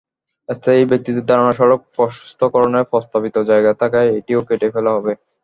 স্থানীয় ব্যক্তিদের ধারণা, সড়ক প্রশস্তকরণের প্রস্তাবিত জায়গায় থাকায় এটিও কেটে ফেলা হবে।